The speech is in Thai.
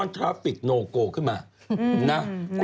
ใช่ยินดาวแล้ว